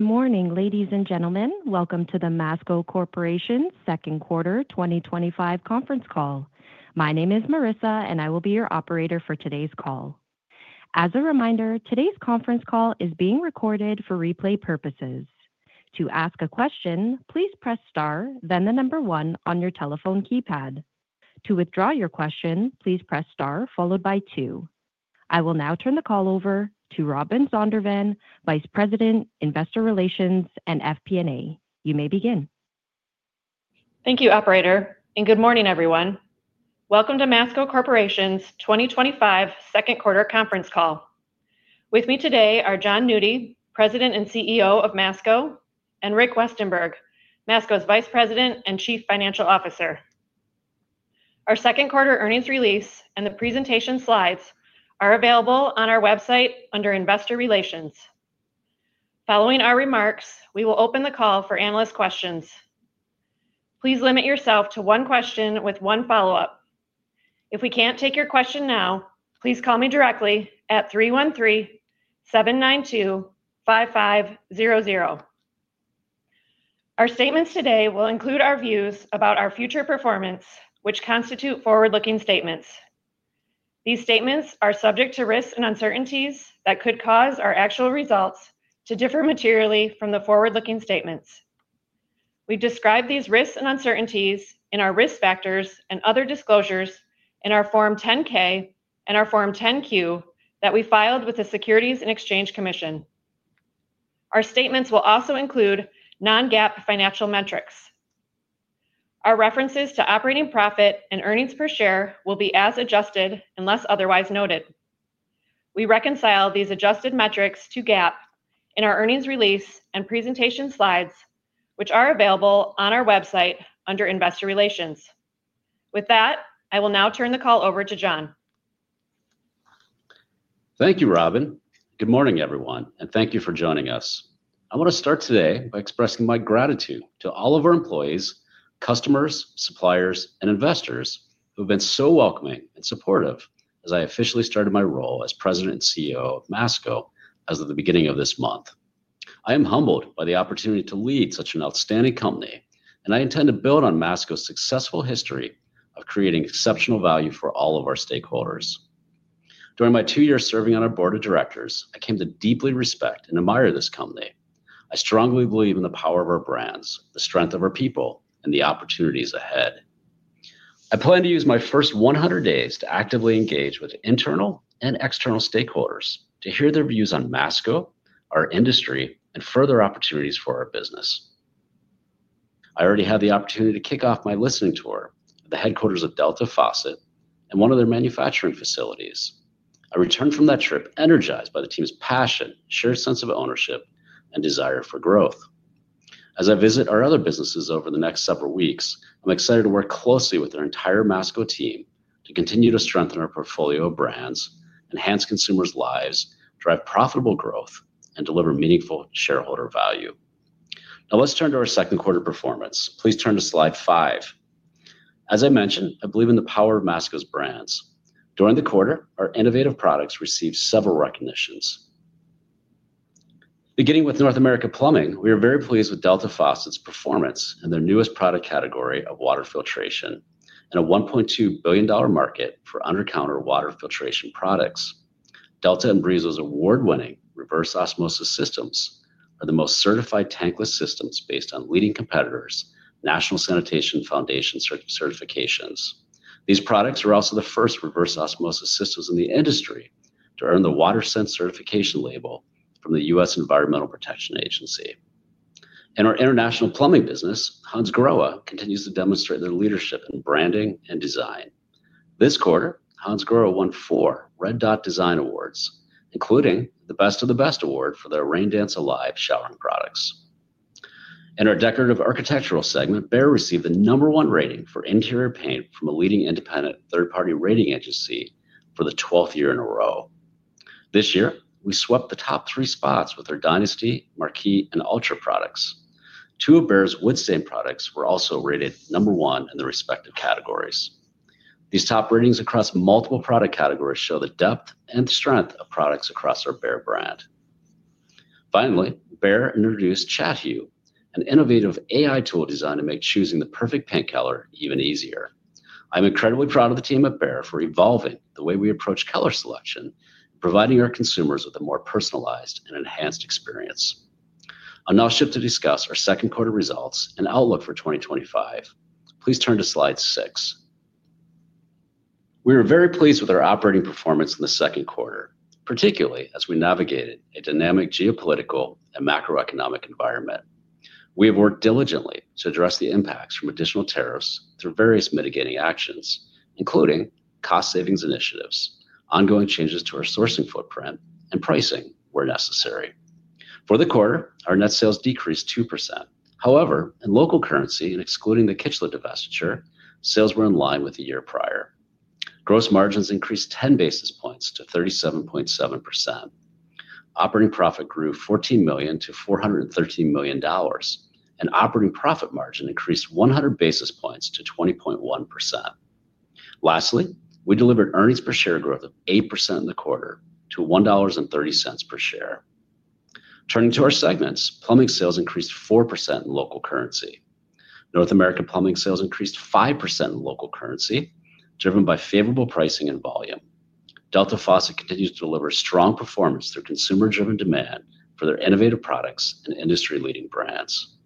Good morning, ladies and gentlemen. Welcome to the Masco Corporation Second Quarter 2025 conference call. My name is Marissa, and I will be your operator for today's call. As a reminder, today's conference call is being recorded for replay purposes. To ask a question, please press star, then the number one on your telephone keypad. To withdraw your question, please press star followed by two. I will now turn the call over to Robin Zondervan, Vice President, Investor Relations, and FP&A. You may begin. Thank you, Operator. Good morning, everyone. Welcome to Masco Corporation's 2025 Second Quarter conference call. With me today are Jon Nudi, President and CEO of Masco, and Rick Westenberg, Masco's Vice President and Chief Financial Officer. Our second quarter earnings release and the presentation slides are available on our website under Investor Relations. Following our remarks, we will open the call for analyst questions. Please limit yourself to one question with one follow-up. If we can't take your question now, please call me directly at 313-792-5500. Our statements today will include our views about our future performance, which constitute forward-looking statements. These statements are subject to risks and uncertainties that could cause our actual results to differ materially from the forward-looking statements. We describe these risks and uncertainties in our risk factors and other disclosures in our Form 10-K and our Form 10-Q that we filed with the Securities and Exchange Commission. Our statements will also include non-GAAP financial metrics. Our references to operating profit and earnings per share will be as adjusted unless otherwise noted. We reconcile these adjusted metrics to GAAP in our earnings release and presentation slides, which are available on our website under Investor Relations. With that, I will now turn the call over to Jon. Thank you, Robin. Good morning, everyone, and thank you for joining us. I want to start today by expressing my gratitude to all of our employees, customers, suppliers, and investors who have been so welcoming and supportive as I officially started my role as President and CEO of Masco as of the beginning of this month. I am humbled by the opportunity to lead such an outstanding company, and I intend to build on Masco's successful history of creating exceptional value for all of our stakeholders. During my two years serving on our Board of Directors, I came to deeply respect and admire this company. I strongly believe in the power of our brands, the strength of our people, and the opportunities ahead. I plan to use my first 100 days to actively engage with internal and external stakeholders to hear their views on Masco, our industry, and further opportunities for our business. I already had the opportunity to kick off my listening tour at the headquarters of Delta Faucet and one of their manufacturing facilities. I returned from that trip energized by the team's passion, shared sense of ownership, and desire for growth. As I visit our other businesses over the next several weeks, I'm excited to work closely with our entire Masco team to continue to strengthen our portfolio of brands, enhance consumers' lives, drive profitable growth, and deliver meaningful shareholder value. Now, let's turn to our second quarter performance. Please turn to slide five. As I mentioned, I believe in the power of Masco's brands. During the quarter, our innovative products received several recognitions. Beginning with North America plumbing, we are very pleased with Delta Faucet's performance in their newest product category of water filtration and a $1.2 billion market for under-counter water filtration products. Delta and Behr's award-winning reverse osmosis systems are the most certified tankless systems based on leading competitors' National Sanitation Foundation certifications. These products are also the first reverse osmosis systems in the industry to earn the WaterSense certification label from the U.S. Environmental Protection Agency. In our international plumbing business, Hansgrohe continues to demonstrate their leadership in branding and design. This quarter, Hansgrohe won four Red Dot Design Awards, including the Best of the Best Award for their Raindance Alive showering products. In our Decorative Architectural segment, Behr received the number one rating for interior paint from a leading independent third-party rating agency for the 12th year in a row. This year, we swept the top three spots with their Dynasty, Marquee, and Ultra products. Two of Behr's wood stain products were also rated number one in their respective categories. These top ratings across multiple product categories show the depth and strength of products across our Behr brand. Finally, Behr introduced ChatHUE, an innovative AI tool designed to make choosing the perfect paint color even easier. I'm incredibly proud of the team at Behr for evolving the way we approach color selection and providing our consumers with a more personalized and enhanced experience. I'll now shift to discuss our second quarter results and outlook for 2025. Please turn to slide six. We are very pleased with our operating performance in the second quarter, particularly as we navigated a dynamic geopolitical and macroeconomic environment. We have worked diligently to address the impacts from additional tariff costs through various mitigating actions, including cost savings initiatives, ongoing changes to our sourcing footprint, and pricing where necessary. For the quarter, our net sales decreased 2%. However, in local currency, and excluding the Kichler divestiture, sales were in line with the year prior. Gross margins increased 10 basis points to 37.7%. Operating profit grew $14 million to $413 million, and operating profit margin increased 100 basis points to 20.1%. Lastly, we delivered earnings per share growth of 8% in the quarter to $1.30 per share. Turning to our segments, Plumbing sales increased 4% in local currency. North America Plumbing sales increased 5% in local currency, driven by favorable pricing and volume. Delta Faucet continues to deliver strong performance through consumer-driven demand for their innovative products and industry-leading brands.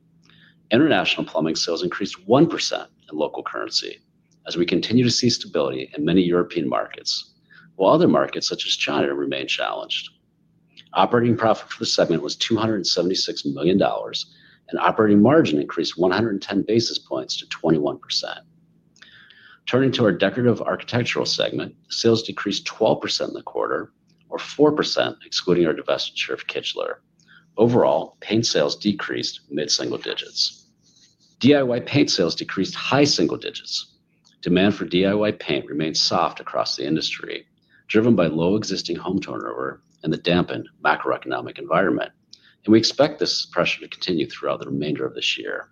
International Plumbing sales increased 1% in local currency as we continue to see stability in many European markets, while other markets such as China remain challenged. Operating profit for the segment was $276 million, and operating margin increased 110 basis points to 21%. Turning to our Decorative Architectural segment, sales decreased 12% in the quarter, or 4% excluding our divestiture of Kichler. Overall, paint sales decreased mid-single digits. DIY paint sales decreased high single digits. Demand for DIY paint remained soft across the industry, driven by low existing home turnover and the dampened macroeconomic environment, and we expect this pressure to continue throughout the remainder of this year.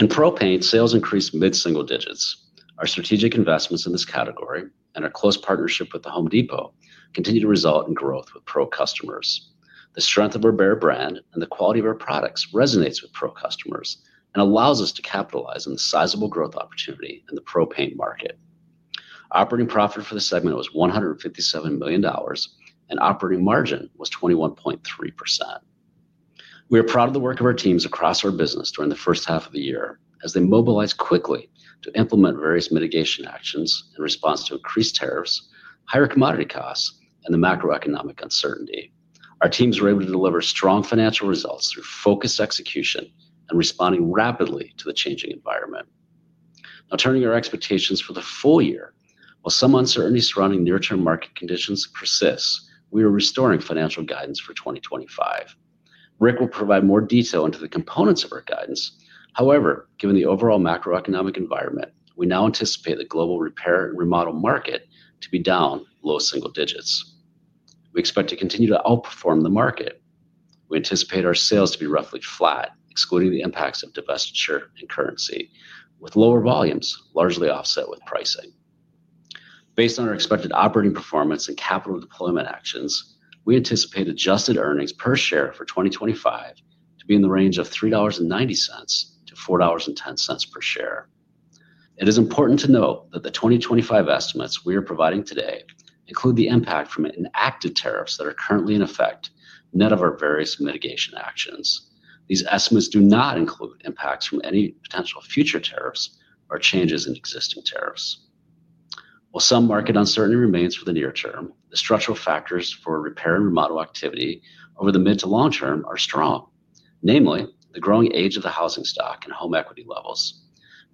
In pro paint, sales increased mid-single digits. Our strategic investments in this category and our close partnership with Home Depot continue to result in growth with pro customers. The strength of our Behr brand and the quality of our products resonates with pro customers and allows us to capitalize on the sizable growth opportunity in the pro paint market. Operating profit for the segment was $157 million, and operating margin was 21.3%. We are proud of the work of our teams across our business during the first half of the year as they mobilized quickly to implement various mitigation actions in response to increased tariffs, higher commodity costs, and the macroeconomic uncertainty. Our teams were able to deliver strong financial results through focused execution and responding rapidly to the changing environment. Now, turning to our expectations for the full year, while some uncertainty surrounding near-term market conditions persists, we are restoring financial guidance for 2025. Rick will provide more detail into the components of our guidance. However, given the overall macroeconomic environment, we now anticipate the global repair and remodel market to be down low single digits. We expect to continue to outperform the market. We anticipate our sales to be roughly flat, excluding the impacts of divestiture and currency, with lower volumes largely offset with pricing. Based on our expected operating performance and capital deployment actions, we anticipate adjusted earnings per share for 2025 to be in the range of $3.90-$4.10 per share. It is important to note that the 2025 estimates we are providing today include the impact from inactive tariffs that are currently in effect, net of our various mitigation actions. These estimates do not include impacts from any potential future tariffs or changes in existing tariffs. While some market uncertainty remains for the near term, the structural factors for repair and remodel activity over the mid to long term are strong, namely the growing age of the housing stock and home equity levels.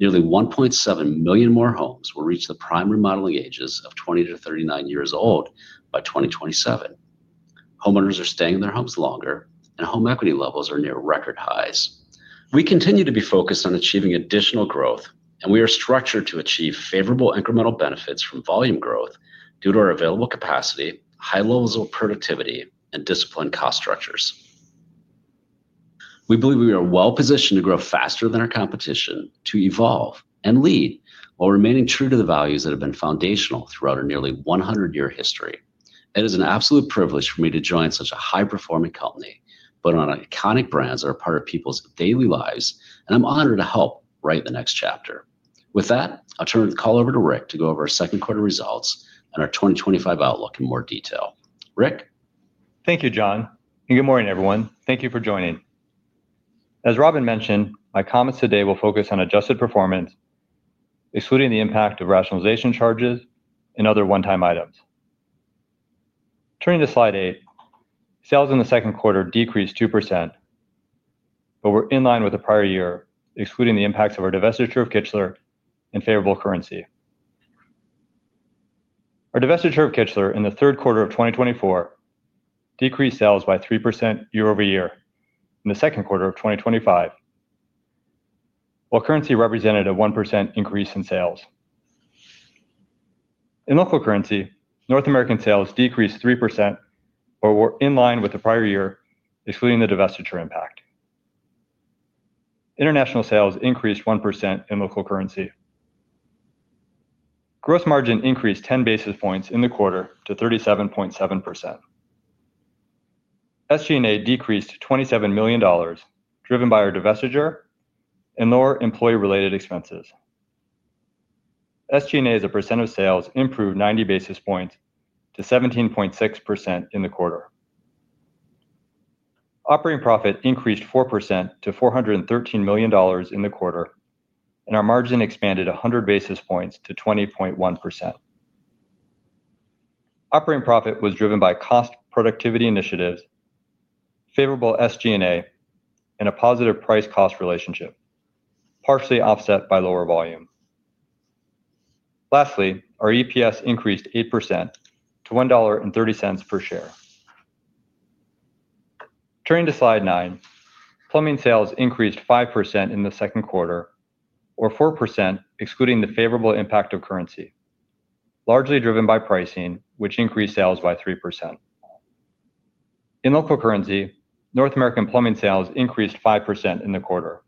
Nearly 1.7 million more homes will reach the prime remodeling ages of 20 39 years old by 2027. Homeowners are staying in their homes longer, and home equity levels are near record highs. We continue to be focused on achieving additional growth, and we are structured to achieve favorable incremental benefits from volume growth due to our available capacity, high levels of productivity, and disciplined cost structures. We believe we are well positioned to grow faster than our competition, to evolve and lead while remaining true to the values that have been foundational throughout our nearly 100-year history. It is an absolute privilege for me to join such a high-performing company built on iconic brands that are part of people's daily lives, and I'm honored to help write the next chapter. With that, I'll turn the call over to Rick to go over our second quarter results and our 2025 outlook in more detail. Rick. Thank you, Jon. Good morning, everyone. Thank you for joining. As Robin mentioned, my comments today will focus on adjusted performance, excluding the impact of rationalization charges and other one-time items. Turning to slide eight, sales in the second quarter decreased 2% but were in line with the prior year, excluding the impacts of our divestiture of Kichler and favorable currency. Our divestiture of Kichler in the third quarter of 2024 decreased sales by 3% year-over-year in the second quarter of 2025, while currency represented a 1% increase in sales. In local currency, North American sales decreased 3% but were in line with the prior year, excluding the divestiture impact. International sales increased 1% in local currency. Gross margin increased 10 basis points in the quarter to 37.7%. SG&A decreased $27 million, driven by our divestiture and lower employee-related expenses. SG&A as a percent of sales improved 90 basis points to 17.6% in the quarter. Operating profit increased 4% to $413 million in the quarter, and our margin expanded 100 basis points to 20.1%. Operating profit was driven by cost productivity initiatives, favorable SG&A, and a positive price-cost relationship, partially offset by lower volume. Lastly, our EPS increased 8% to $1.30 per share. Turning to slide nine, plumbing sales increased 5% in the second quarter, or 4% excluding the favorable impact of currency, largely driven by pricing, which increased sales by 3%. In local currency, North American Plumbing sales increased 5% in the quarter.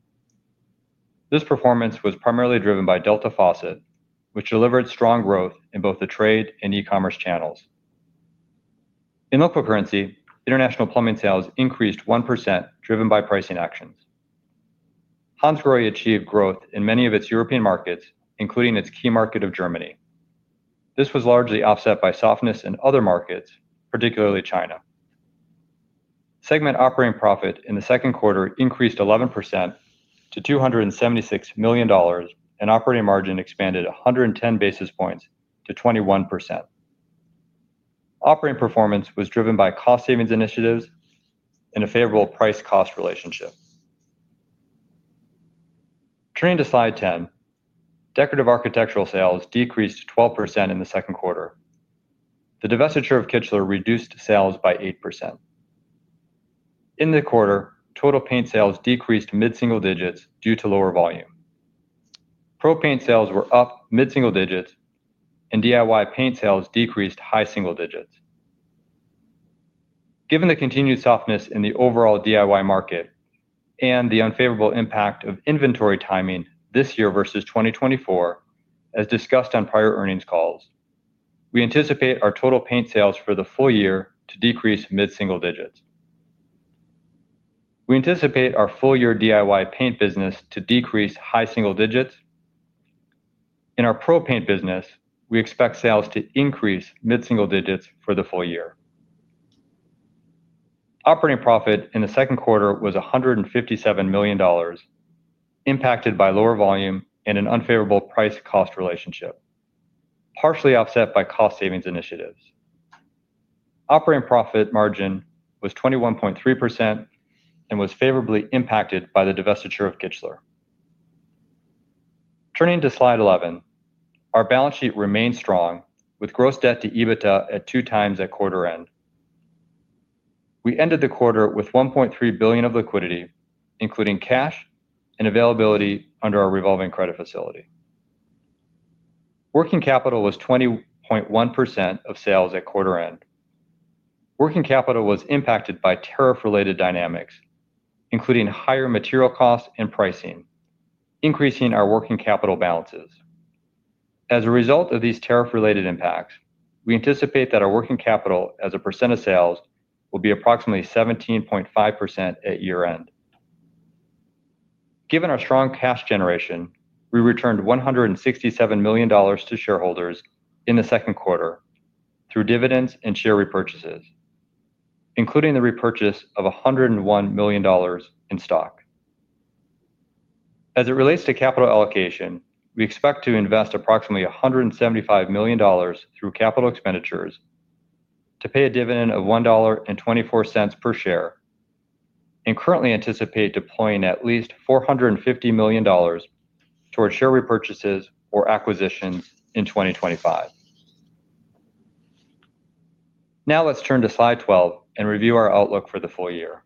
This performance was primarily driven by Delta Faucet, which delivered strong growth in both the trade and e-commerce channels. In local currency, international plumbing sales increased 1%, driven by pricing actions. Hansgrohe achieved growth in many of its European markets, including its key market of Germany. This was largely offset by softness in other markets, particularly China. Segment operating profit in the second quarter increased 11% to $276 million, and operating margin expanded 110 basis points to 21%. Operating performance was driven by cost savings initiatives and a favorable price-cost relationship. Turning to slide 10, decorative architectural sales decreased 12% in the second quarter. The divestiture of Kichler reduced sales by 8%. In the quarter, total paint sales decreased mid-single digits due to lower volume. Pro paint sales were up mid-single digits, and DIY paint sales decreased high single digits. Given the continued softness in the overall DIY market and the unfavorable impact of inventory timing this year versus 2024, as discussed on prior earnings calls, we anticipate our total paint sales for the full year to decrease mid-single digits. We anticipate our full-year DIY paint business to decrease high single digits. In our pro paint business, we expect sales to increase mid-single digits for the full year. Operating profit in the second quarter was $157 million, impacted by lower volume and an unfavorable price-cost relationship, partially offset by cost savings initiatives. Operating profit margin was 21.3% and was favorably impacted by the divestiture of Kichler. Turning to slide 11, our balance sheet remained strong, with gross debt to EBITDA at 2x at quarter end. We ended the quarter with $1.3 billion of liquidity, including cash and availability under our revolving credit facility. Working capital was 20.1% of sales at quarter end. Working capital was impacted by tariff-related dynamics, including higher material costs and pricing, increasing our working capital balances. As a result of these tariff-related impacts, we anticipate that our working capital as a percent of sales will be approximately 17.5% at year end. Given our strong cash generation, we returned $167 million to shareholders in the second quarter through dividends and share repurchases, including the repurchase of $101 million in stock. As it relates to capital allocation, we expect to invest approximately $175 million through capital expenditures, to pay a dividend of $1.24 per share, and currently anticipate deploying at least $450 million toward share repurchases or acquisitions in 2025. Now let's turn to slide 12 and review our outlook for the full year.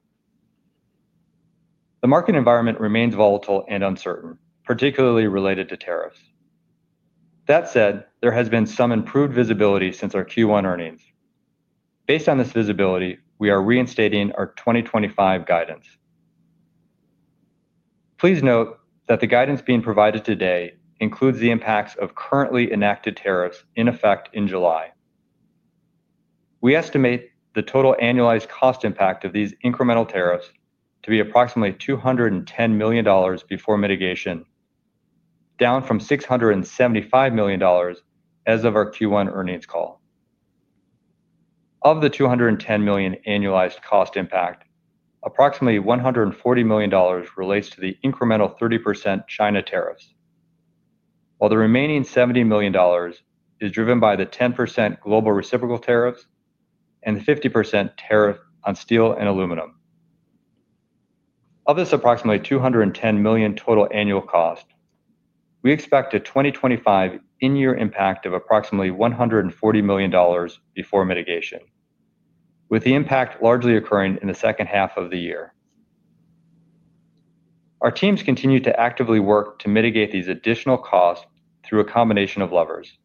The market environment remains volatile and uncertain, particularly related to tariffs. That said, there has been some improved visibility since our Q1 earnings. Based on this visibility, we are reinstating our 2025 guidance. Please note that the guidance being provided today includes the impacts of currently enacted tariffs in effect in July. We estimate the total annualized cost impact of these incremental tariffs to be approximately $210 million before mitigation, down from $675 million as of our Q1 earnings call. Of the $210 million annualized cost impact, approximately $140 million relates to the incremental 30% China tariffs. While the remaining $70 million is driven by the 10% global reciprocal tariffs and the 50% tariff on steel and aluminum. Of this approximately $210 million total annual cost, we expect a 2025 in-year impact of approximately $140 million before mitigation, with the impact largely occurring in the second half of the year. Our teams continue to actively work to mitigate these additional costs through a combination of levers.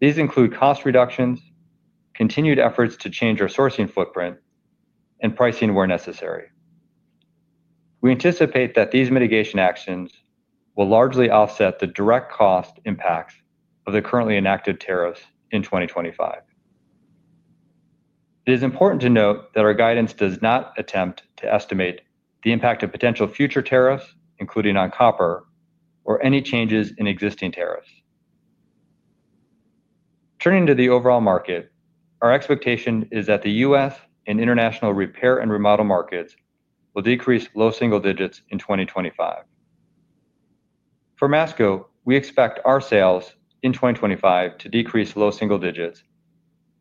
These include cost reductions, continued efforts to change our sourcing footprint, and pricing where necessary. We anticipate that these mitigation actions will largely offset the direct cost impacts of the currently enacted tariffs in 2025. It is important to note that our guidance does not attempt to estimate the impact of potential future tariffs, including on copper or any changes in existing tariffs. Turning to the overall market, our expectation is that the U.S. and international repair and remodel markets will decrease low single digits in 2025. For Masco, we expect our sales in 2025 to decrease low single digits,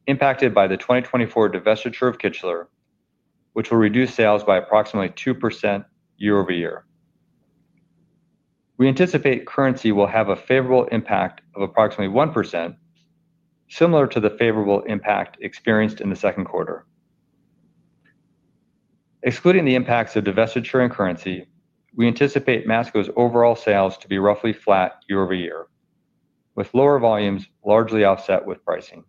impacted by the 2024 divestiture of Kichler, which will reduce sales by approximately 2% year-over-year. We anticipate currency will have a favorable impact of approximately 1%, similar to the favorable impact experienced in the second quarter. Excluding the impacts of divestiture and currency, we anticipate Masco's overall sales to be roughly flat year-over-year, with lower volumes largely offset with pricing.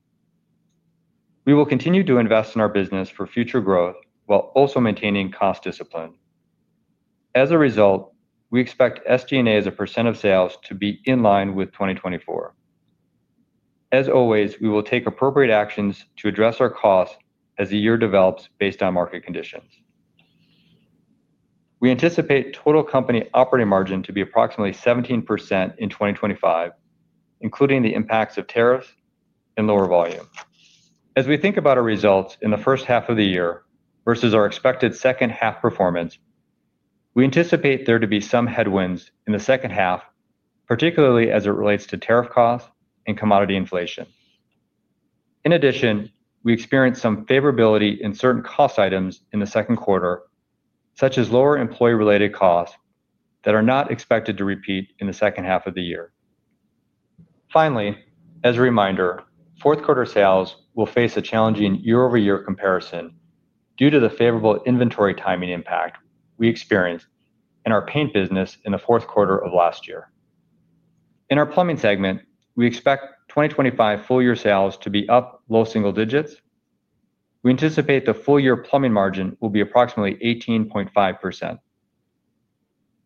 We will continue to invest in our business for future growth while also maintaining cost discipline. As a result, we expect SG&A's percent of sales to be in line with 2024. As always, we will take appropriate actions to address our costs as the year develops based on market conditions. We anticipate total company operating margin to be approximately 17% in 2025, including the impacts of tariffs and lower volume. As we think about our results in the first half of the year versus our expected second half performance, we anticipate there to be some headwinds in the second half, particularly as it relates to tariff costs and commodity inflation. In addition, we experienced some favorability in certain cost items in the second quarter, such as lower employee-related costs that are not expected to repeat in the second half of the year. Finally, as a reminder, fourth quarter sales will face a challenging year-over-year comparison due to the favorable inventory timing impact we experienced in our paint business in the fourth quarter of last year. In our plumbing segment, we expect 2025 full-year sales to be up low single digits. We anticipate the full-year plumbing margin will be approximately 18.5%.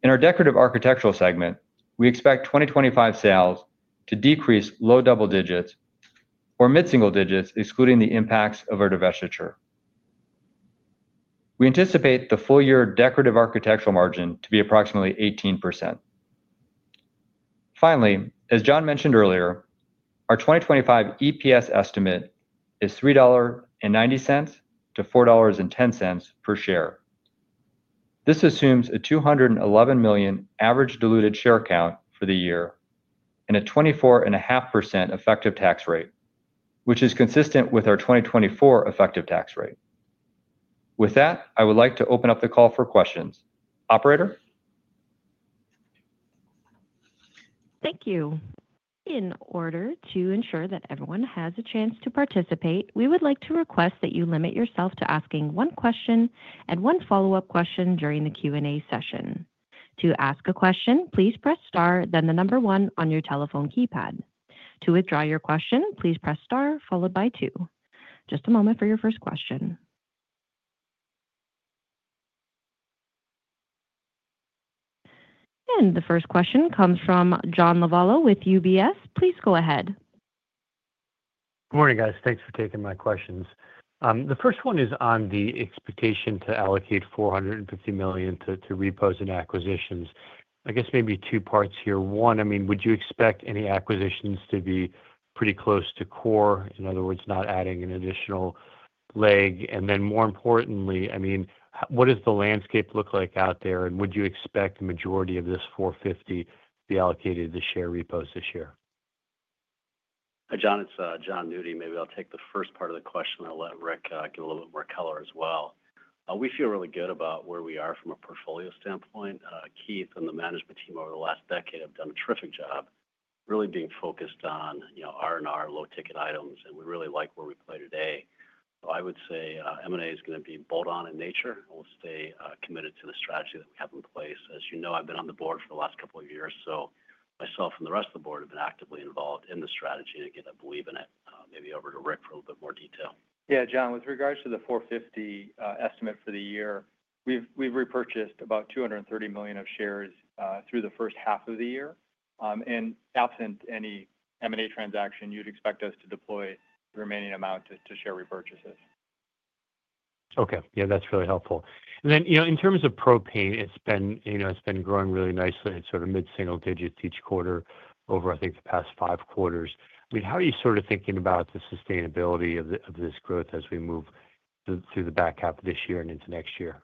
In our decorative architectural segment, we expect 2025 sales to decrease low double digits or mid-single digits, excluding the impacts of our divestiture. We anticipate the full-year decorative architectural margin to be approximately 18%. Finally, as Jon mentioned earlier, our 2025 EPS estimate is $3.90-$4.10 per share. This assumes a 211 million average diluted share count for the year and a 24.5% effective tax rate, which is consistent with our 2024 effective tax rate. With that, I would like to open up the call for questions. Operator? Thank you. In order to ensure that everyone has a chance to participate, we would like to request that you limit yourself to asking one question and one follow-up question during the Q&A session. To ask a question, please press star, then the number one on your telephone keypad. To withdraw your question, please press star followed by two. Just a moment for your first question. The first question comes from John Lovallo with UBS. Please go ahead. Good morning, guys. Thanks for taking my questions. The first one is on the expectation to allocate $450 million to repos and acquisitions. I guess maybe two parts here. One, would you expect any acquisitions to be pretty close to core? In other words, not adding an additional leg. More importantly, what does the landscape look like out there? Would you expect the majority of this $450 million to be allocated to the share repos this year? Hi, John. It's Jon Nudi. Maybe I'll take the first part of the question, and I'll let Rick give a little bit more color as well. We feel really good about where we are from a portfolio standpoint. Keith and the management team over the last decade have done a terrific job really being focused on R&R low-ticket items, and we really like where we play today. I would say M&A is going to be bolt-on in nature. We'll stay committed to the strategy that we have in place. As you know, I've been on the board for the last couple of years, so myself and the rest of the board have been actively involved in the strategy, and again, I believe in it. Maybe over to Rick for a little bit more detail. Yeah, John, with regards to the $450 million estimate for the year, we've repurchased about $230 million of shares through the first half of the year. Absent any M&A transaction, you'd expect us to deploy the remaining amount to share repurchases. Okay. Yeah, that's really helpful. In terms of pro paint, it's been growing really nicely. It's sort of mid-single digits each quarter over, I think, the past five quarters. I mean, how are you sort of thinking about the sustainability of this growth as we move through the back half of this year and into next year?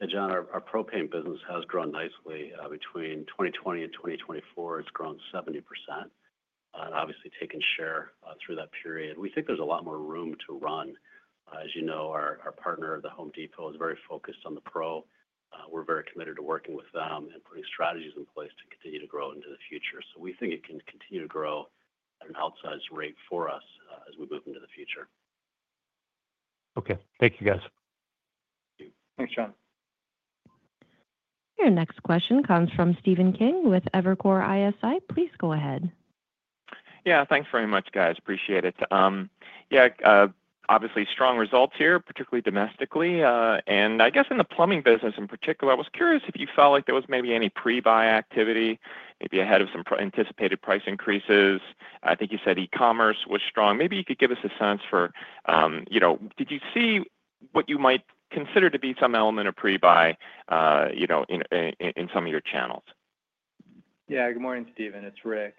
Hey, John, our pro paint business has grown nicely. Between 2020 and 2024, it's grown 70%. It has obviously taken share through that period. We think there's a lot more room to run. As you know, our partner, The Home Depot, is very focused on the pro. We're very committed to working with them and putting strategies in place to continue to grow into the future. We think it can continue to grow at an outsized rate for us as we move into the future. Okay, thank you, guys. Thanks, John. Your next question comes from Stephen Kim with Evercore ISI. Please go ahead. Yeah, thanks very much, guys. Appreciate it. Obviously strong results here, particularly domestically. I guess in the plumbing business in particular, I was curious if you felt like there was maybe any pre-buy activity, maybe ahead of some anticipated price increases. I think you said e-commerce was strong. Maybe you could give us a sense for, did you see what you might consider to be some element of pre-buy in some of your channels? Good morning, Stephen. It's Rick.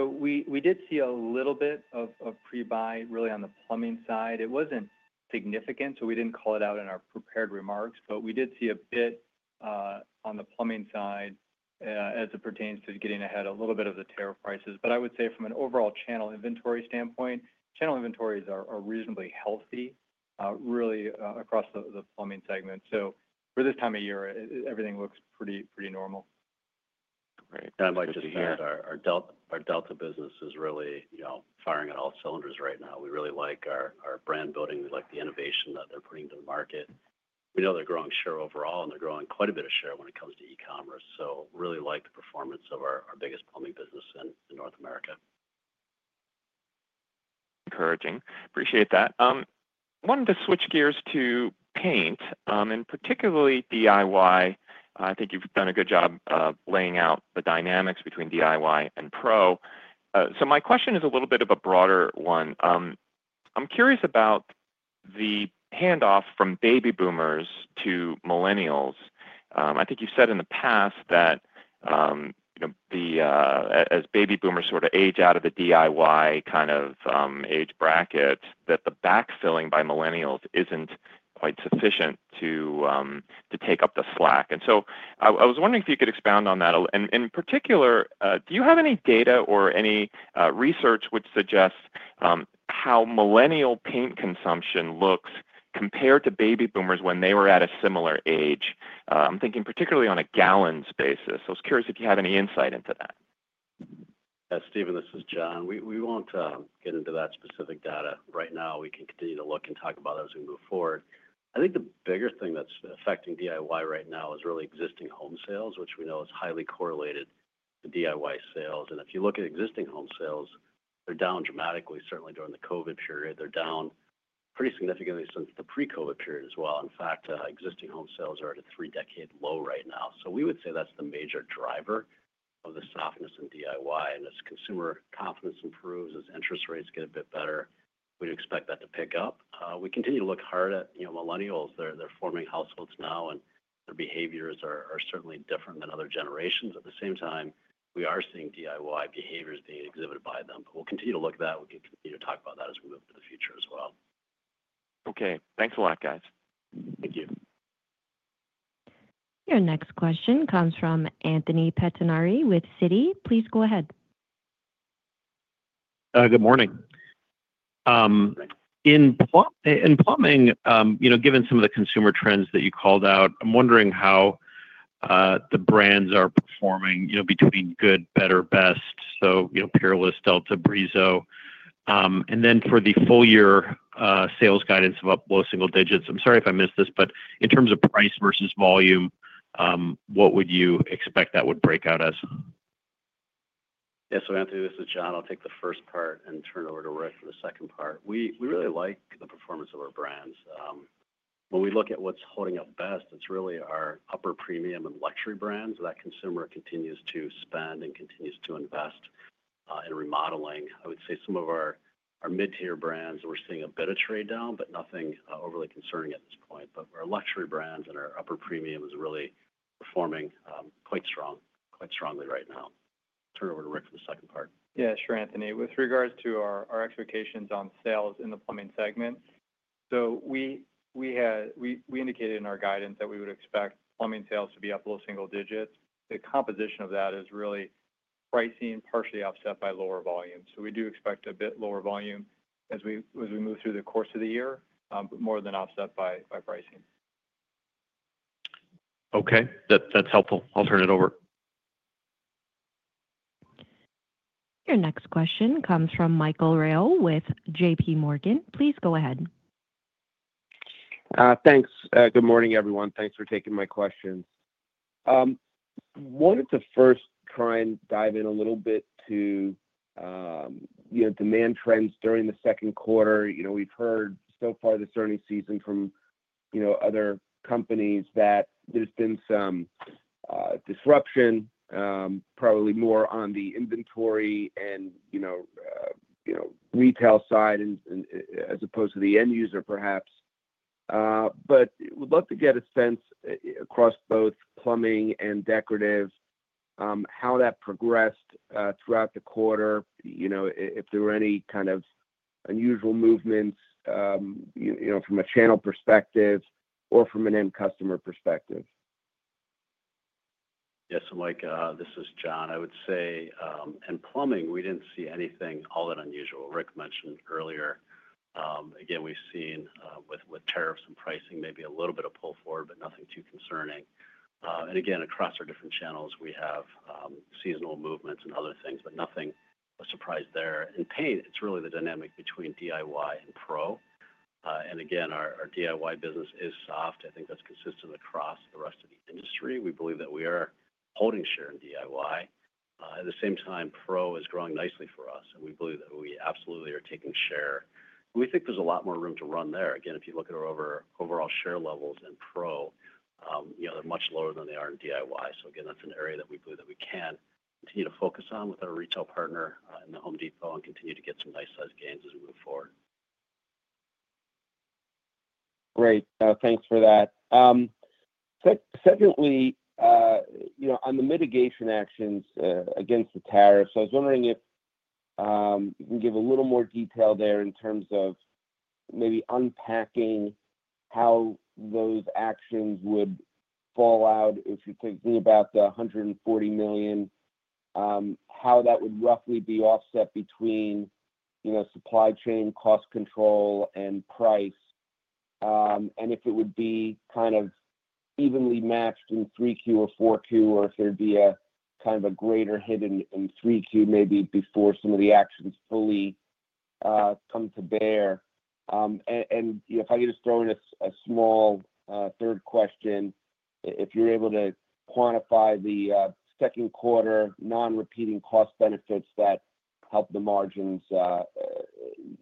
We did see a little bit of pre-buy really on the plumbing side. It wasn't significant, so we didn't call it out in our prepared remarks, but we did see a bit on the plumbing side as it pertains to getting ahead a little bit of the tariff prices. I would say from an overall channel inventory standpoint, channel inventories are reasonably healthy really across the plumbing segment. For this time of year, everything looks pretty normal. Great. I'd like to add our Delta Faucet business is really firing at all cylinders right now. We really like our brand building, and we like the innovation that they're putting to the market. We know they're growing share overall, and they're growing quite a bit of share when it comes to e-commerce. We really like the performance of our biggest plumbing business in North America. Encouraging. Appreciate that. Wanted to switch gears to paint, and particularly DIY. I think you've done a good job laying out the dynamics between DIY and pro. My question is a little bit of a broader one. I'm curious about the handoff from baby boomers to millennials. I think you've said in the past that as baby boomers sort of age out of the DIY kind of age bracket, the backfilling by millennials isn't quite sufficient to take up the slack. I was wondering if you could expound on that. In particular, do you have any data or any research which suggests how millennial paint consumption looks compared to baby boomers when they were at a similar age? I'm thinking particularly on a gallons basis. I was curious if you have any insight into that. Stephen, this is Jon. We won't get into that specific data. Right now, we can continue to look and talk about it as we move forward. I think the bigger thing that's affecting DIY right now is really existing home sales, which we know is highly correlated to DIY sales. If you look at existing home sales, they're down dramatically, certainly during the COVID period. They're down pretty significantly since the pre-COVID period as well. In fact, existing home sales are at a three-decade low right now. We would say that's the major driver of the softness in DIY. As consumer confidence improves, as interest rates get a bit better, we'd expect that to pick up. We continue to look hard at millennials. They're forming households now, and their behaviors are certainly different than other generations. At the same time, we are seeing DIY behaviors being exhibited by them. We'll continue to look at that. We can continue to talk about that as we move into the future as well. Okay, thanks a lot, guys. Thank you. Your next question comes from Anthony Pettinari with Citi. Please go ahead. Good morning. In plumbing, given some of the consumer trends that you called out, I'm wondering how the brands are performing between good, better, best. Peerless, Delta Faucet, Brizo. For the full-year sales guidance of up low single digits, I'm sorry if I missed this, but in terms of price versus volume, what would you expect that would break out as? Yes, Anthony, this is Jon. I'll take the first part and turn it over to Rick for the second part. We really like the performance of our brands. When we look at what's holding up best, it's really our upper premium and luxury brands. The consumer continues to spend and continues to invest in remodeling. I would say some of our mid-tier brands, we're seeing a bit of trade down, nothing overly concerning at this point. Our luxury brands and our upper premium is really performing quite strongly right now. Turn it over to Rick for the second part. Yeah, sure, Anthony. With regards to our expectations on sales in the plumbing segment, we indicated in our guidance that we would expect plumbing sales to be up low single digits. The composition of that is really pricing partially offset by lower volume. We do expect a bit lower volume as we move through the course of the year, but more than offset by pricing. Okay, that's helpful. I'll turn it over. Your next question comes from Michael Rehaut with JPMorgan. Please go ahead. Thanks. Good morning, everyone. Thanks for taking my questions. I wanted to first try and dive in a little bit to demand trends during the second quarter. We've heard so far this earning season from other companies that there's been some disruption, probably more on the inventory and retail side as opposed to the end user, perhaps. We'd love to get a sense across both plumbing and decorative how that progressed throughout the quarter, if there were any kind of unusual movements from a channel perspective or from an end customer perspective. Yes, Mike, this is Jon. I would say in plumbing, we didn't see anything all that unusual. Rick mentioned earlier, we've seen with tariffs and pricing maybe a little bit of pull forward, but nothing too concerning. Across our different channels, we have seasonal movements and other things, but nothing a surprise there. In paint, it's really the dynamic between DIY and pro. Our DIY business is soft. I think that's consistent across the rest of the industry. We believe that we are holding share in DIY. At the same time, pro is growing nicely for us, and we believe that we absolutely are taking share. We think there's a lot more room to run there. If you look at our overall share levels in pro, they're much lower than they are in DIY. That's an area that we believe that we can continue to focus on with our retail partner in The Home Depot and continue to get some nice size gains as we move forward. Great, thanks for that. On the mitigation actions against the tariffs, I was wondering if you can give a little more detail there in terms of maybe unpacking how those actions would fall out if you're thinking about the $140 million, how that would roughly be offset between supply chain, cost control, and price. If it would be kind of evenly matched in Q3 or Q4, or if there'd be a greater hit in Q3 maybe before some of the actions fully come to bear. If I could just throw in a small third question, if you're able to quantify the second quarter non-repeating cost benefits that help the margins in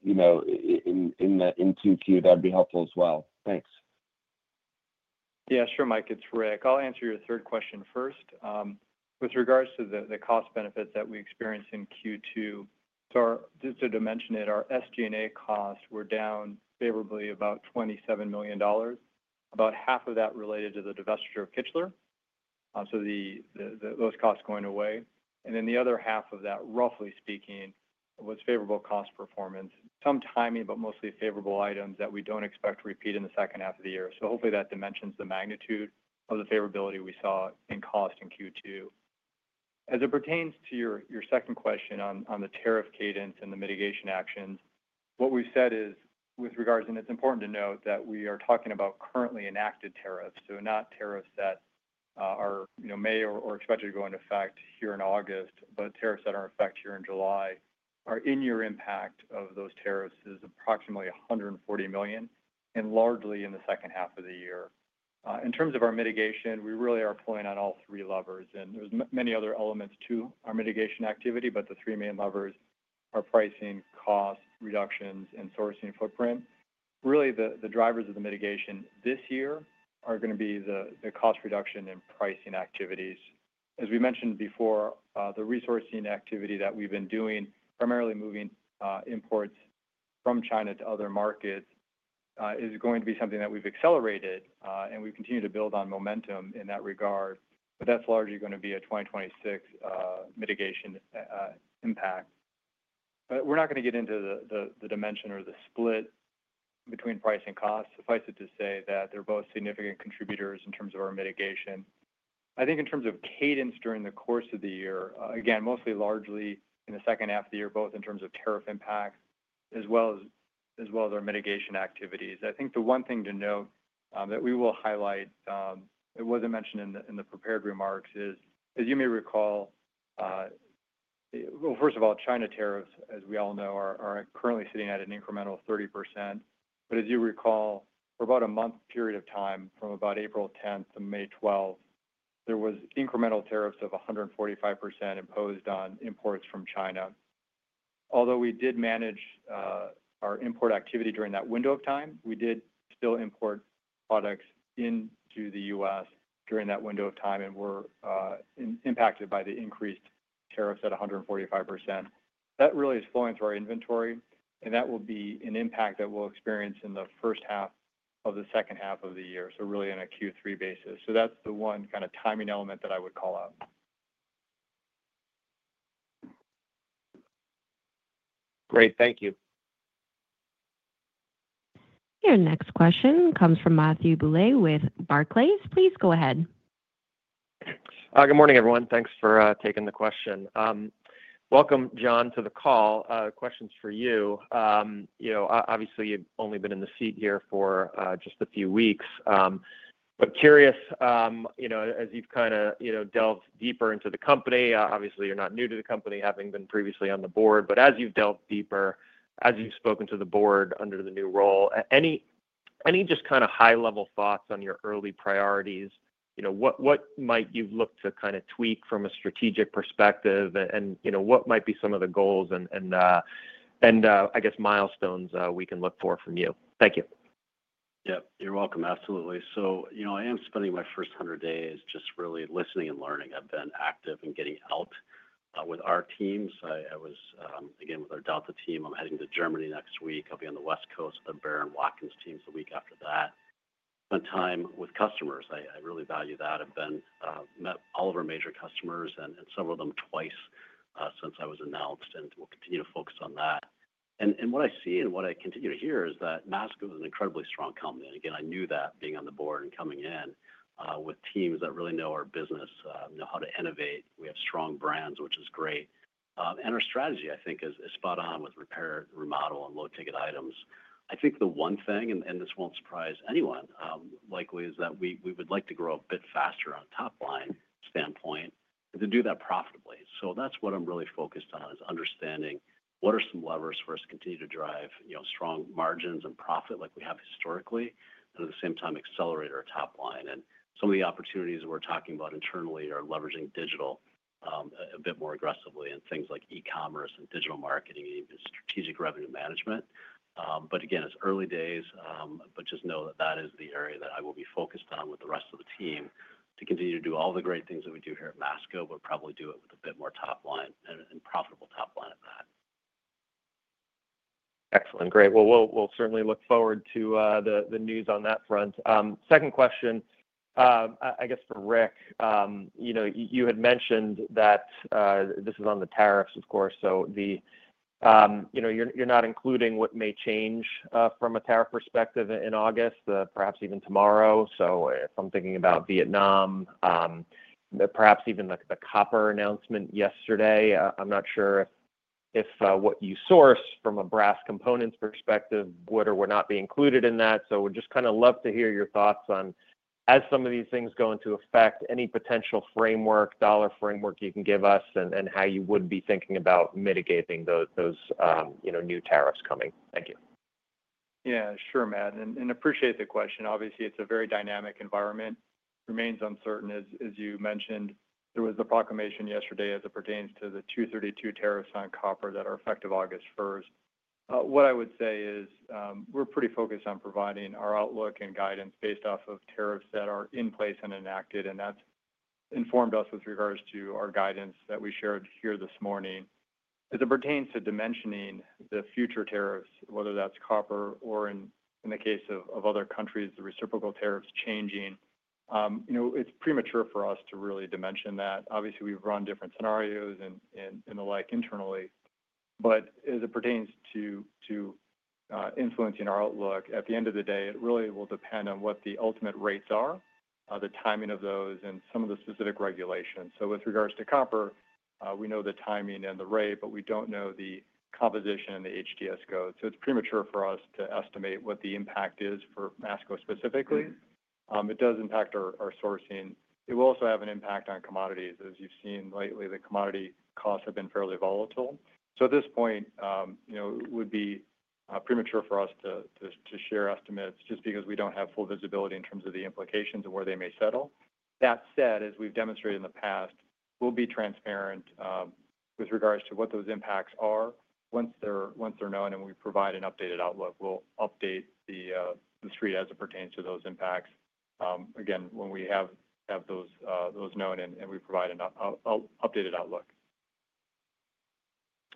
Q2, that'd be helpful as well. Thanks. Yeah, sure, Mike. It's Rick. I'll answer your third question first. With regards to the cost benefits that we experienced in Q2, just to dimension it, our SG&A costs were down favorably about $27 million. About half of that related to the divestiture of Kichler, those costs going away, and then the other half of that, roughly speaking, was favorable cost performance. Some timing, but mostly favorable items that we don't expect to repeat in the second half of the year. Hopefully that dimensions the magnitude of the favorability we saw in cost in Q2. As it pertains to your second question on the tariff cadence and the mitigation actions, what we've said is, with regards, and it's important to note that we are talking about currently enacted tariffs, not tariffs that are or may be expected to go into effect here in August, but tariffs that are in effect here in July. Our impact of those tariffs is approximately $140 million and largely in the second half of the year. In terms of our mitigation, we really are pulling on all three levers. There are many other elements to our mitigation activity, but the three main levers are pricing, cost reductions, and sourcing footprint. Really, the drivers of the mitigation this year are going to be the cost reduction and pricing activities. As we mentioned before, the resourcing activity that we've been doing, primarily moving imports from China to other markets, is going to be something that we've accelerated, and we continue to build on momentum in that regard. That's largely going to be a 2026 mitigation impact. We're not going to get into the dimension or the split between price and cost. Suffice it to say that they're both significant contributors in terms of our mitigation. I think in terms of cadence during the course of the year, again, mostly largely in the second half of the year, both in terms of tariff impact as well as our mitigation activities. One thing to note that we will highlight, it wasn't mentioned in the prepared remarks, is, as you may recall, first of all, China tariffs, as we all know, are currently sitting at an incremental 30%. As you recall, for about a month period of time from about April 10 to May 12, there was incremental tariffs of 145% imposed on imports from China. Although we did manage our import activity during that window of time, we did still import products into the U.S. during that window of time and were impacted by the increased tariffs at 145%. That really is flowing through our inventory, and that will be an impact that we'll experience in the first half of the second half of the year, so really on a Q3 basis. That's the one kind of timing element that I would call out. Great. Thank you. Your next question comes from Matthew Bouley with Barclays. Please go ahead. Good morning, everyone. Thanks for taking the question. Welcome, Jon, to the call. Questions for you. Obviously, you've only been in the seat here for just a few weeks. Curious, as you've kind of delved deeper into the company, obviously, you're not new to the company having been previously on the board. As you've delved deeper, as you've spoken to the board under the new role, any high-level thoughts on your early priorities? What might you've looked to kind of tweak from a strategic perspective? What might be some of the goals and, I guess, milestones we can look for from you? Thank you. Yeah, you're welcome. Absolutely. I am spending my first 100 days just really listening and learning. I've been active in getting out with our teams. With our Delta team, I'm heading to Germany next week. I'll be on the West Coast with the Behr and Watkins team the week after that. I spend time with customers. I really value that. I've met all of our major customers and several of them twice since I was announced, and we'll continue to focus on that. What I see and what I continue to hear is that Masco is an incredibly strong company. I knew that being on the board and coming in with teams that really know our business, know how to innovate. We have strong brands, which is great. Our strategy, I think, is spot on with repair, remodel, and low-ticket items. I think the one thing, and this won't surprise anyone, likely is that we would like to grow a bit faster on a top-line standpoint and to do that profitably. That's what I'm really focused on, is understanding what are some levers for us to continue to drive strong margins and profit like we have historically, and at the same time, accelerate our top line. Some of the opportunities we're talking about internally are leveraging digital a bit more aggressively in things like e-commerce and digital marketing and even strategic revenue management. It's early days, but just know that is the area that I will be focused on with the rest of the team to continue to do all the great things that we do here at Masco, but probably do it with a bit more top line and profitable top line at that. Excellent. Great. We'll certainly look forward to the news on that front. Second question. I guess for Rick. You had mentioned that this is on the tariffs, of course. You're not including what may change from a tariff perspective in August, perhaps even tomorrow. If I'm thinking about Vietnam, perhaps even the copper announcement yesterday, I'm not sure if what you source from a brass components perspective would or would not be included in that. We'd just kind of love to hear your thoughts on, as some of these things go into effect, any potential framework, dollar framework you can give us, and how you would be thinking about mitigating those new tariffs coming. Thank you. Yeah, sure, Matt. Appreciate the question. Obviously, it's a very dynamic environment. Remains uncertain, as you mentioned. There was the proclamation yesterday as it pertains to the 232 tariffs on copper that are effective August 1. What I would say is we're pretty focused on providing our outlook and guidance based off of tariffs that are in place and enacted, and that's informed us with regards to our guidance that we shared here this morning. As it pertains to dimensioning the future tariffs, whether that's copper or in the case of other countries, the reciprocal tariffs changing, it's premature for us to really dimension that. Obviously, we've run different scenarios and the like internally. As it pertains to influencing our outlook, at the end of the day, it really will depend on what the ultimate rates are, the timing of those, and some of the specific regulations. With regards to copper, we know the timing and the rate, but we don't know the composition and the HDS code. It's premature for us to estimate what the impact is for Masco specifically. It does impact our sourcing. It will also have an impact on commodities. As you've seen lately, the commodity costs have been fairly volatile. At this point, it would be premature for us to share estimates just because we don't have full visibility in terms of the implications of where they may settle. That said, as we've demonstrated in the past, we'll be transparent with regards to what those impacts are. Once they're known and we provide an updated outlook, we'll update the Street as it pertains to those impacts. Again, when we have those known and we provide an updated outlook.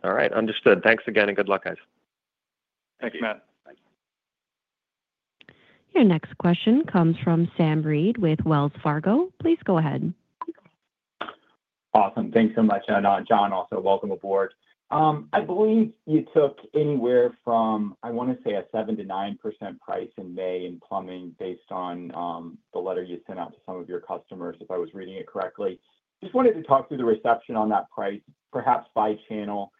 All right. Understood. Thanks again and good luck, guys. Thanks, Matt. Thanks. Your next question comes from Sam Reid with Wells Fargo. Please go ahead. Awesome. Thanks so much. Jon, also welcome aboard. I believe you took anywhere from, I want to say, a 7%-9% price in May in plumbing based on the letter you sent out to some of your customers, if I was reading it correctly. I just wanted to talk through the reception on that price, perhaps by channel.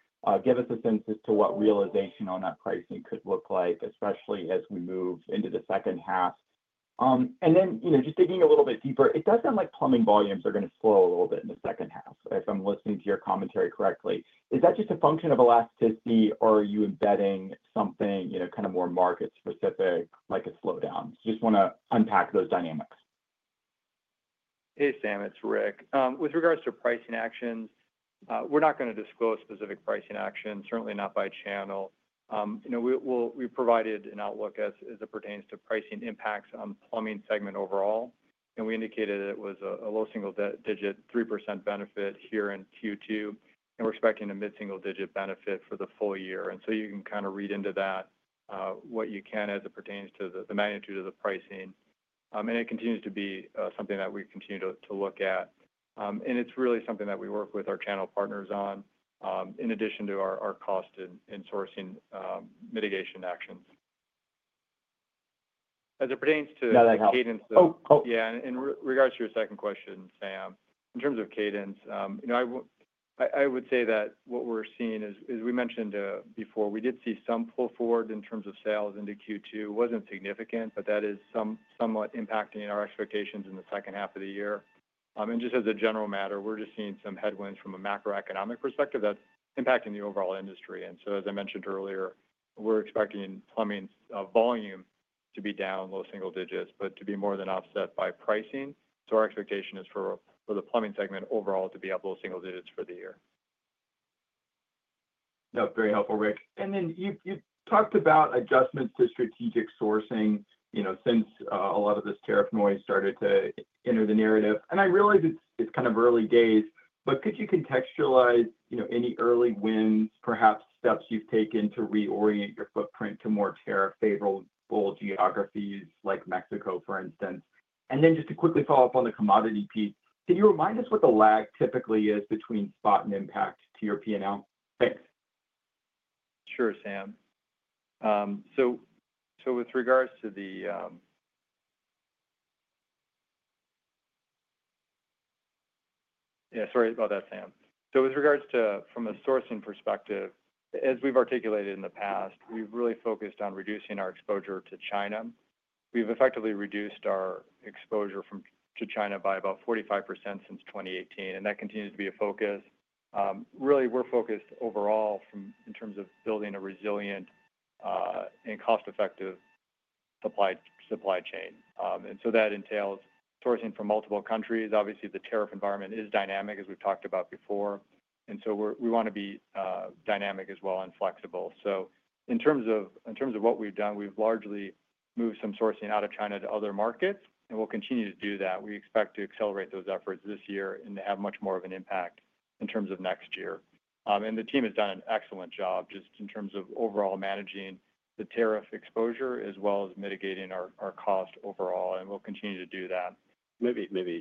Give us a sense as to what realization on that pricing could look like, especially as we move into the second half. Just digging a little bit deeper, it does sound like plumbing volumes are going to slow a little bit in the second half. If I'm listening to your commentary correctly, is that just a function of elasticity, or are you embedding something kind of more market-specific like a slowdown? I just want to unpack those dynamics. Hey, Sam. It's Rick. With regards to pricing actions, we're not going to disclose specific pricing actions, certainly not by channel. We provided an outlook as it pertains to pricing impacts on the plumbing segment overall. We indicated it was a low single-digit 3% benefit here in Q2, and we're expecting a mid-single-digit benefit for the full year. You can kind of read into that what you can as it pertains to the magnitude of the pricing. It continues to be something that we continue to look at. It's really something that we work with our channel partners on in addition to our cost and sourcing mitigation actions as it pertains to. Yeah, that helps. Yeah. In regards to your second question, Sam, in terms of cadence, I would say that what we're seeing is, as we mentioned before, we did see some pull forward in terms of sales into Q2. It wasn't significant, but that is somewhat impacting our expectations in the second half of the year. Just as a general matter, we're seeing some headwinds from a macroeconomic perspective that's impacting the overall industry. As I mentioned earlier, we're expecting plumbing volume to be down low single digits, but to be more than offset by pricing. Our expectation is for the plumbing segment overall to be up low single digits for the year. No, very helpful, Rick. You talked about adjustments to strategic sourcing since a lot of this tariff noise started to enter the narrative. I realize it's kind of early days, but could you contextualize any early wins, perhaps steps you've taken to reorient your footprint to more tariff-favorable geographies like Mexico, for instance? Just to quickly follow up on the commodity piece, can you remind us what the lag typically is between spot and impact to your P&L? Thanks. Sure, Sam. With regards to the sourcing perspective, as we've articulated in the past, we've really focused on reducing our exposure to China. We've effectively reduced our exposure to China by about 45% since 2018, and that continues to be a focus. Really, we're focused overall in terms of building a resilient and cost-effective supply chain, and that entails sourcing from multiple countries. Obviously, the tariff environment is dynamic, as we've talked about before. We want to be dynamic as well and flexible. In terms of what we've done, we've largely moved some sourcing out of China to other markets, and we'll continue to do that. We expect to accelerate those efforts this year and to have much more of an impact in terms of next year. The team has done an excellent job just in terms of overall managing the tariff exposure as well as mitigating our cost overall, and we'll continue to do that. I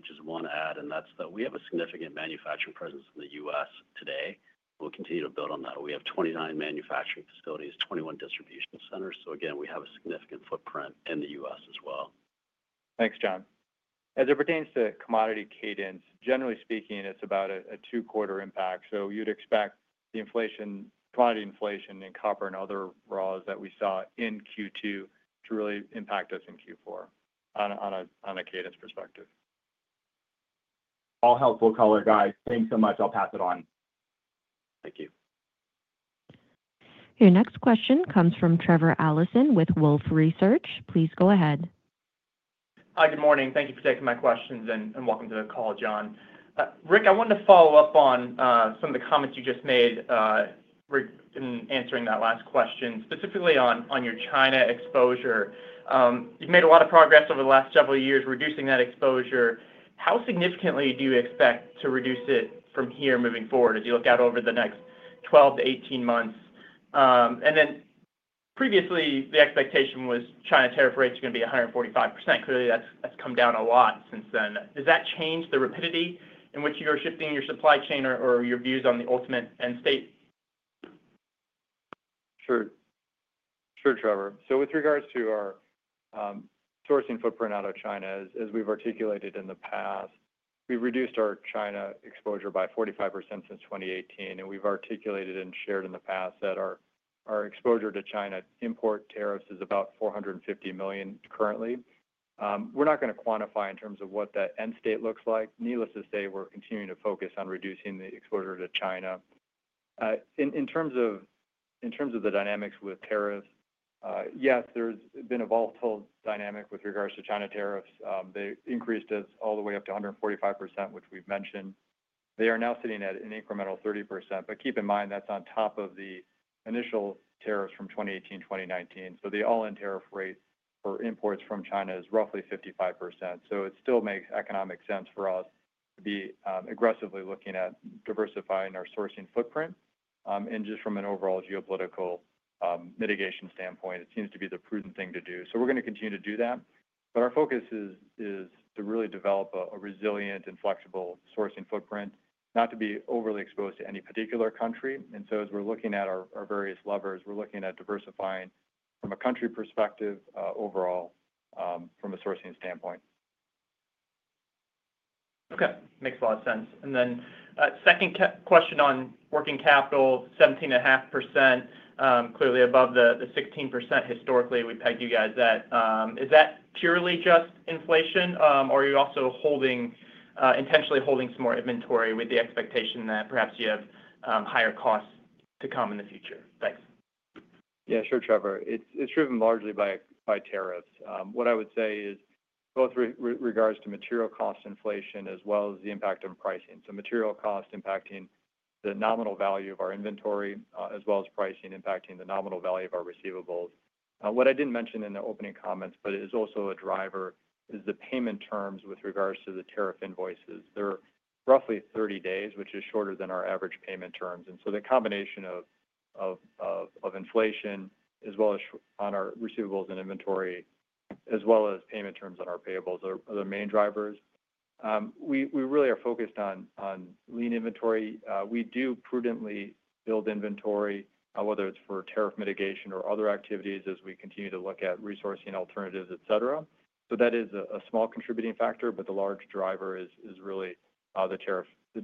just want to add that we have a significant manufacturing presence in the U.S. today. We'll continue to build on that. We have 29 manufacturing facilities and 21 distribution centers. We have a significant footprint in the U.S. as well. Thanks, Jon. As it pertains to commodity cadence, generally speaking, it's about a two-quarter impact. You'd expect the commodity inflation in copper and other raws that we saw in Q2 to really impact us in Q4, on a cadence perspective. All helpful, color and guys. Thanks so much. I'll pass it on. Thank you. Your next question comes from Trevor Allison with Wolfe Research. Please go ahead. Hi, good morning. Thank you for taking my questions and welcome to the call, Jon. Rick, I wanted to follow up on some of the comments you just made. In answering that last question, specifically on your China exposure. You've made a lot of progress over the last several years reducing that exposure. How significantly do you expect to reduce it from here moving forward as you look out over the next 12-18 months? Previously, the expectation was China tariff rates are going to be 145%. Clearly, that's come down a lot since then. Does that change the rapidity in which you're shifting your supply chain or your views on the ultimate end state? Sure, Trevor. With regards to our sourcing footprint out of China, as we've articulated in the past, we've reduced our China exposure by 45% since 2018. We've articulated and shared in the past that our exposure to China import tariffs is about $450 million currently. We're not going to quantify in terms of what that end state looks like. Needless to say, we're continuing to focus on reducing the exposure to China. In terms of the dynamics with tariffs, yes, there's been a volatile dynamic with regards to China tariffs. They increased all the way up to 145%, which we've mentioned. They are now sitting at an incremental 30%. Keep in mind, that's on top of the initial tariffs from 2018, 2019. The all-in tariff rate for imports from China is roughly 55%. It still makes economic sense for us to be aggressively looking at diversifying our sourcing footprint. Just from an overall geopolitical mitigation standpoint, it seems to be the prudent thing to do. We're going to continue to do that. Our focus is to really develop a resilient and flexible sourcing footprint, not to be overly exposed to any particular country. As we're looking at our various levers, we're looking at diversifying from a country perspective overall from a sourcing standpoint. Okay. Makes a lot of sense. Second question on working capital, 17.5%. Clearly above the 16% historically, we pegged you guys at. Is that purely just inflation, or are you also intentionally holding some more inventory with the expectation that perhaps you have higher costs to come in the future? Thanks. Yeah, sure, Trevor. It's driven largely by tariffs. What I would say is both with regards to material cost inflation as well as the impact on pricing. Material cost impacting the nominal value of our inventory as well as pricing impacting the nominal value of our receivables. What I didn't mention in the opening comments, but it is also a driver, is the payment terms with regards to the tariff invoices. They're roughly 30 days, which is shorter than our average payment terms. The combination of inflation as well as on our receivables and inventory, as well as payment terms on our payables, are the main drivers. We really are focused on lean inventory. We do prudently build inventory, whether it's for tariff mitigation or other activities as we continue to look at resourcing alternatives, etc. That is a small contributing factor, but the large driver is really the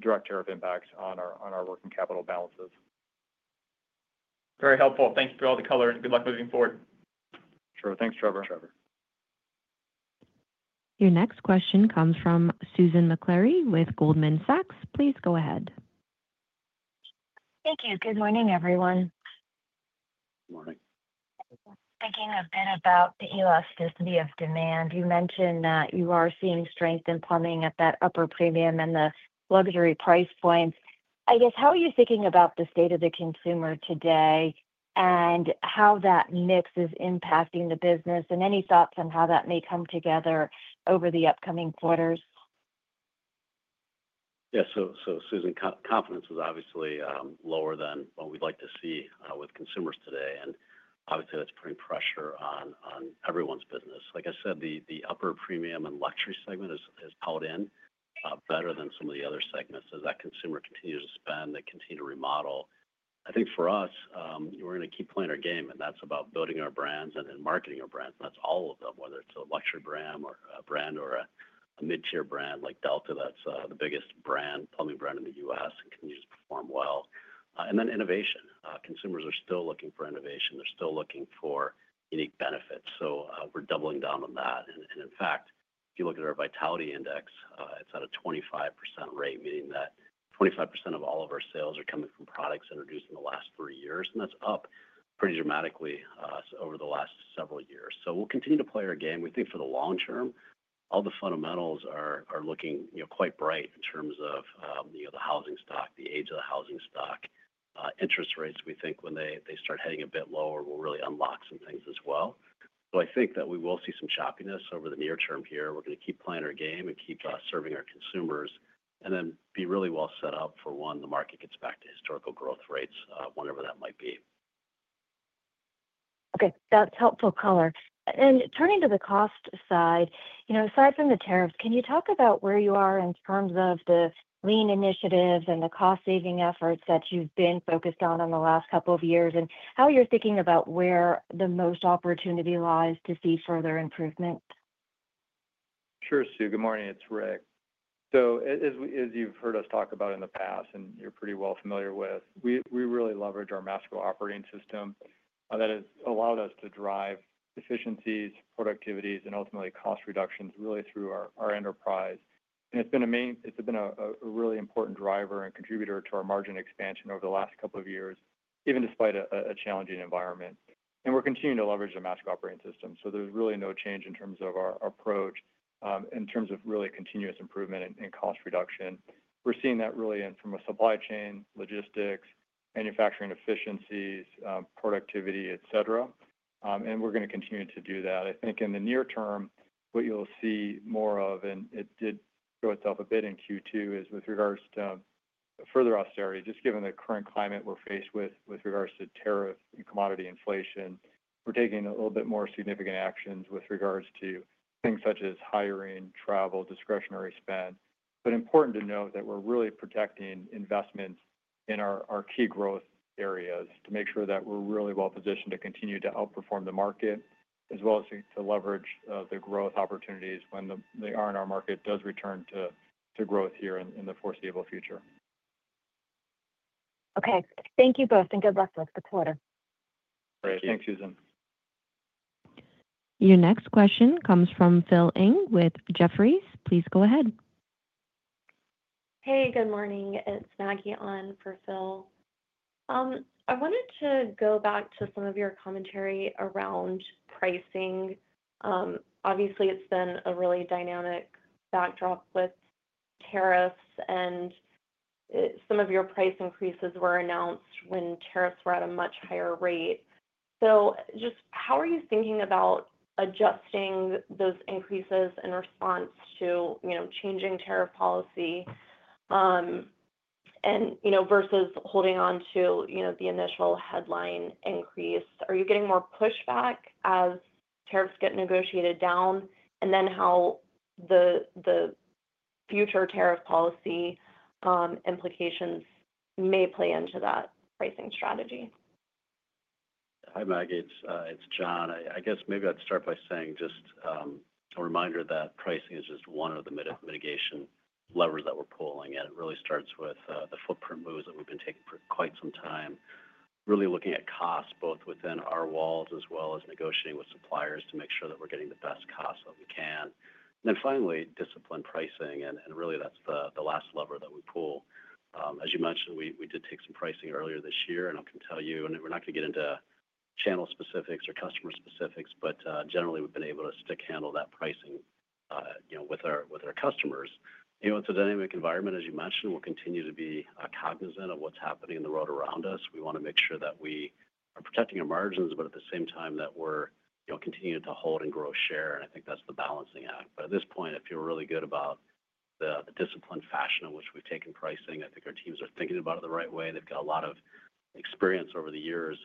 direct tariff impacts on our working capital balances. Very helpful. Thank you for all the color, and good luck moving forward. Sure. Thanks, Trevor. Thanks, Trevor. Your next question comes from Susan Maklari with Goldman Sachs. Please go ahead. Thank you. Good morning, everyone. Good morning. Thinking a bit about the elasticity of demand, you mentioned that you are seeing strength in plumbing at that upper premium and the luxury price points. I guess, how are you thinking about the state of the consumer today and how that mix is impacting the business, and any thoughts on how that may come together over the upcoming quarters? Yeah. Confidence is obviously lower than what we'd like to see with consumers today, and obviously, that's putting pressure on everyone's business. Like I said, the upper premium and luxury segment has held in better than some of the other segments as that consumer continues to spend, they continue to remodel. I think for us, we're going to keep playing our game, and that's about building our brands and marketing our brands. That's all of them, whether it's a luxury brand or a mid-tier brand like Delta Faucet, that's the biggest plumbing brand in the U.S. and continues to perform well. Innovation is important. Consumers are still looking for innovation. They're still looking for unique benefits. We're doubling down on that. In fact, if you look at our vitality index, it's at a 25% rate, meaning that 25% of all of our sales are coming from products introduced in the last three years. That's up pretty dramatically over the last several years. We'll continue to play our game. We think for the long term, all the fundamentals are looking quite bright in terms of the housing stock, the age of the housing stock. Interest rates, we think when they start hitting a bit lower, will really unlock some things as well. I think that we will see some shoppiness over the near term here. We're going to keep playing our game and keep serving our consumers and then be really well set up for when the market gets back to historical growth rates, whenever that might be. Okay. That's helpful, color. Turning to the cost side, aside from the tariffs, can you talk about where you are in terms of the lean initiatives and the cost-saving efforts that you've been focused on in the last couple of years and how you're thinking about where the most opportunity lies to see further improvement? Sure, Sue. Good morning. It's Rick. As you've heard us talk about in the past and you're pretty well familiar with, we really leverage our master operating system that has allowed us to drive efficiencies, productivities, and ultimately cost reductions really through our enterprise. It's been a really important driver and contributor to our margin expansion over the last couple of years, even despite a challenging environment. We're continuing to leverage the master operating system. There's really no change in terms of our approach in terms of really continuous improvement and cost reduction. We're seeing that really in from a supply chain, logistics, manufacturing efficiencies, productivity, etc. We're going to continue to do that. I think in the near term, what you'll see more of, and it did show itself a bit in Q2, is with regards to further austerity, just given the current climate we're faced with with regards to tariffs and commodity inflation, we're taking a little bit more significant actions with regards to things such as hiring, travel, discretionary spend. Important to note that we're really protecting investments in our key growth areas to make sure that we're really well positioned to continue to outperform the market, as well as to leverage the growth opportunities when the R&R market does return to growth here in the foreseeable future. Okay, thank you both, and good luck with the quarter. Great. Thanks, Susan. Your next question comes from Phil Ng with Jefferies. Please go ahead. Hey, good morning. It's Maggie Ahn for Phil. I wanted to go back to some of your commentary around pricing. Obviously, it's been a really dynamic backdrop with tariffs, and some of your price increases were announced when tariffs were at a much higher rate. Just how are you thinking about adjusting those increases in response to changing tariff policy versus holding on to the initial headline increase? Are you getting more pushback as tariffs get negotiated down, and then how the future tariff policy implications may play into that pricing strategy? Hi, Maggie. It's Jon. I guess maybe I'd start by saying just a reminder that pricing is just one of the mitigation levers that we're pulling. It really starts with the footprint moves that we've been taking for quite some time, really looking at costs both within our walls as well as negotiating with suppliers to make sure that we're getting the best costs that we can. Finally, disciplined pricing, and really, that's the last lever that we pull. As you mentioned, we did take some pricing earlier this year, and I can tell you, we're not going to get into channel specifics or customer specifics, but generally, we've been able to stick handle that pricing with our customers. It's a dynamic environment, as you mentioned. We'll continue to be cognizant of what's happening in the world around us. We want to make sure that we are protecting our margins, but at the same time, that we're continuing to hold and grow share. I think that's the balancing act. At this point, I feel really good about the disciplined fashion in which we've taken pricing. I think our teams are thinking about it the right way. They've got a lot of experience over the years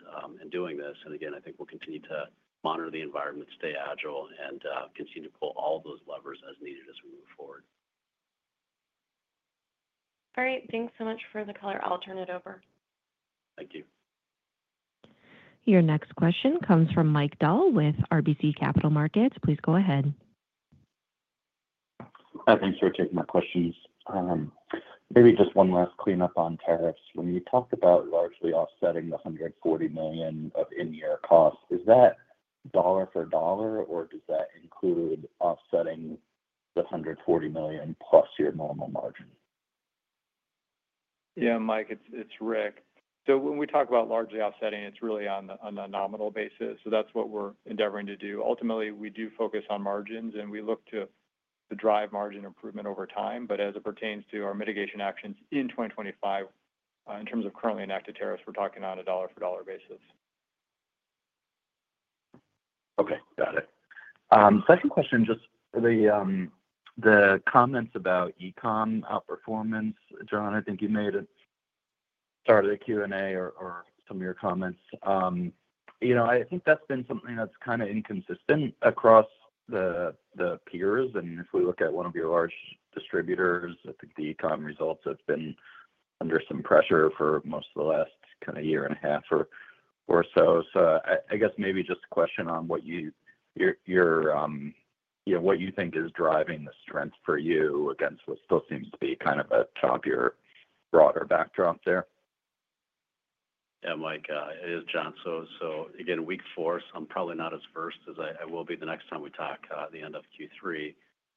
in doing this. I think we'll continue to monitor the environment, stay agile, and continue to pull all those levers as needed as we move forward. All right. Thanks so much for the color. I'll turn it over. Thank you. Your next question comes from Mike Dahl with RBC Capital Markets. Please go ahead. Hi, thanks for taking my questions. Maybe just one last cleanup on tariffs. When you talk about largely offsetting the $140 million of in-year costs, is that dollar-for-dollar, or does that include offsetting the $140 million plus your normal margin? Yeah, Mike, it's Rick. When we talk about largely offsetting, it's really on a nominal basis. That's what we're endeavoring to do. Ultimately, we do focus on margins, and we look to drive margin improvement over time. As it pertains to our mitigation actions in 2025, in terms of currently enacted tariffs, we're talking on a dollar-for-dollar basis. Okay. Got it. Second question, just the comments about e-com outperformance. Jon, I think you made it at the start of the Q&A or some of your comments. I think that's been something that's kind of inconsistent across the peers. If we look at one of your large distributors, I think the e-com results have been under some pressure for most of the last year and a half or so. I guess maybe just a question on what you think is driving the strength for you against what still seems to be kind of a tough broader backdrop there? Yeah, Mike, it is Jon. Again, week four, so I'm probably not as versed as I will be the next time we talk at the end of Q3.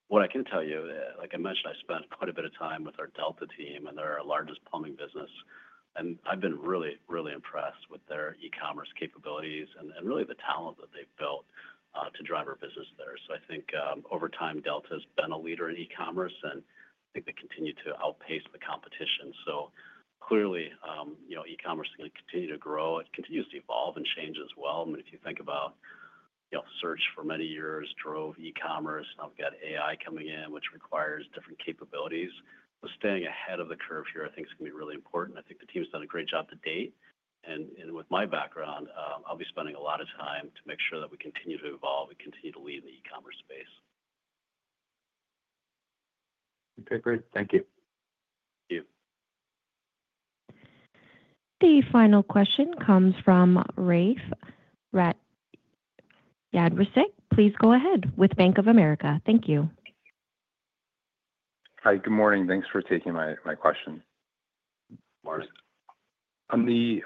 What I can tell you, like I mentioned, I spent quite a bit of time with our Delta team, and they're our largest plumbing business. I've been really, really impressed with their e-commerce capabilities and really the talent that they've built to drive our business there. I think over time, Delta has been a leader in e-commerce, and I think they continue to outpace the competition. Clearly, e-commerce is going to continue to grow. It continues to evolve and change as well. If you think about it, search for many years drove e-commerce. Now we've got AI coming in, which requires different capabilities. Staying ahead of the curve here is going to be really important. I think the team's done a great job to date. With my background, I'll be spending a lot of time to make sure that we continue to evolve and continue to lead in the e-commerce space. Okay, great. Thank you. Thank you. The final question comes from Rafe Jadrosich. Please go ahead with Bank of America. Thank you. Hi, good morning. Thanks for taking my question. Morning. On the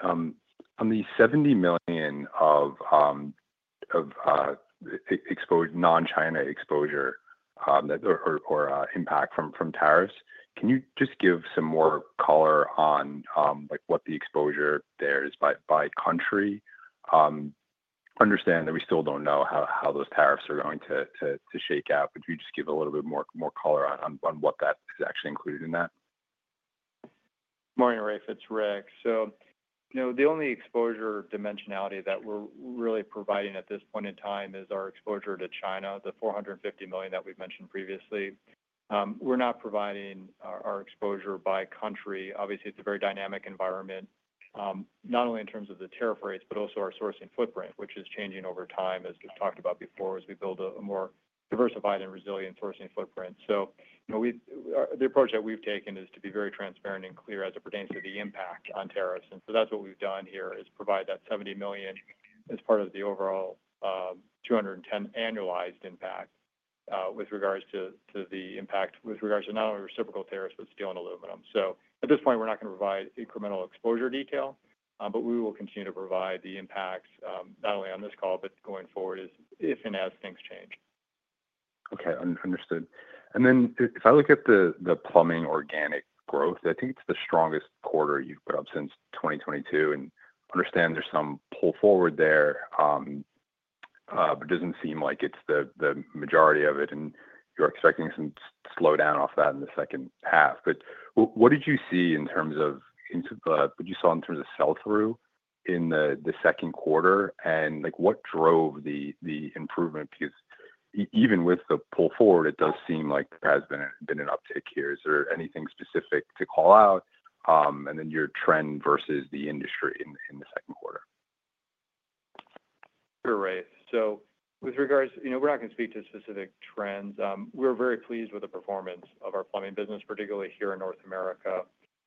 $70 million of non-China exposure or impact from tariffs, can you just give some more color on what the exposure there is by country? I understand that we still don't know how those tariffs are going to shake out, but if you just give a little bit more color on what is actually included in that. Morning, Rafe. It's Rick. The only exposure dimensionality that we're really providing at this point in time is our exposure to China, the $450 million that we've mentioned previously. We're not providing our exposure by country. Obviously, it's a very dynamic environment, not only in terms of the tariff rates, but also our sourcing footprint, which is changing over time, as we've talked about before, as we build a more diversified and resilient sourcing footprint. The approach that we've taken is to be very transparent and clear as it pertains to the impact on tariffs. That's what we've done here, is provide that $70 million as part of the overall $210 million annualized impact with regards to the impact with regards to not only reciprocal tariffs, but steel and aluminum. At this point, we're not going to provide incremental exposure detail, but we will continue to provide the impacts not only on this call, but going forward if and as things change. Okay. Understood. If I look at the plumbing organic growth, I think it's the strongest quarter you've put up since 2022. I understand there's some pull forward there, but it doesn't seem like it's the majority of it. You're expecting some slowdown off that in the second half. What did you see in terms of what you saw in terms of sell-through in the second quarter, and what drove the improvement? Even with the pull forward, it does seem like there has been an uptick here. Is there anything specific to call out? Your trend versus the industry in the second quarter? Sure, Rafe. With regards to we're not going to speak to specific trends. We're very pleased with the performance of our plumbing business, particularly here in North America.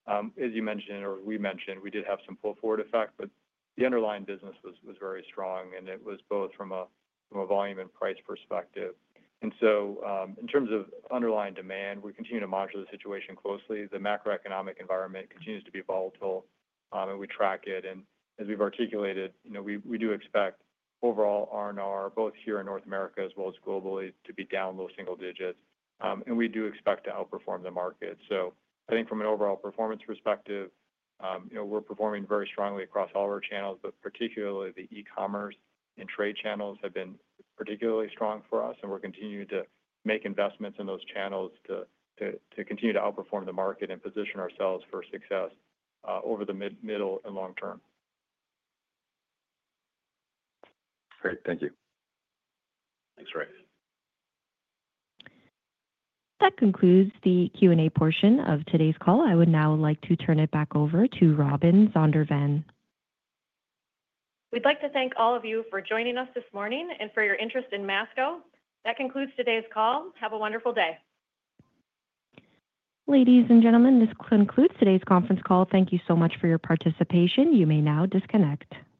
As you mentioned, or we mentioned, we did have some pull forward effect, but the underlying business was very strong, and it was both from a volume and price perspective. In terms of underlying demand, we continue to monitor the situation closely. The macroeconomic environment continues to be volatile, and we track it. As we've articulated, we do expect overall R&R, both here in North America as well as globally, to be down low single digits. We do expect to outperform the market. I think from an overall performance perspective, we're performing very strongly across all of our channels, particularly the e-commerce and trade channels have been particularly strong for us. We're continuing to make investments in those channels to continue to outperform the market and position ourselves for success over the middle and long term. Great. Thank you. Thanks, Rafe. That concludes the Q&A portion of today's call. I would now like to turn it back over to Robin Zondervan. We'd like to thank all of you for joining us this morning and for your interest in Masco. That concludes today's call. Have a wonderful day. Ladies and gentlemen, this concludes today's conference call. Thank you so much for your participation. You may now disconnect.